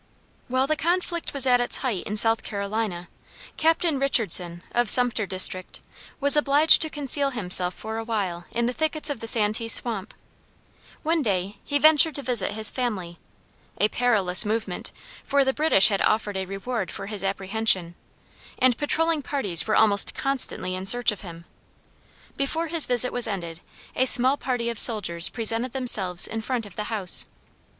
While the conflict was at its height in South Carolina, Captain Richardson, of Sumter district, was obliged to conceal himself for a while in the thickets of the Santee swamp. One day he ventured to visit his family a perilous movement, for the British had offered a reward for his apprehension, and patrolling parties were almost constantly in search of him. Before his visit was ended a small party of soldiers presented themselves in front of the house.